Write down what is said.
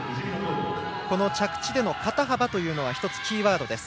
着地での肩幅というのは１つキーワードです。